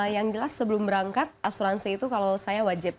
yang jelas sebelum berangkat asuransi itu kalau saya wajib